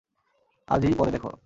আজই, পরে দেখ।